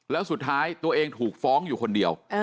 แล้วสุดท้ายตัวเองถูกฟ้องอยู่คนเดียว